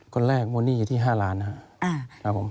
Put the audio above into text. คนแรกมูลหนี้อยู่ที่๕ล้านนะครับผม